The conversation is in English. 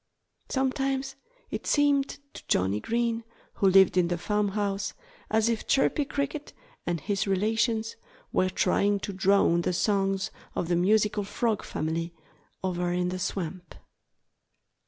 Sometimes it seemed to Johnnie Green, who lived in the farmhouse, as if Chirpy Cricket and his relations were trying to drown the songs of the musical Frog family, over in the swamp.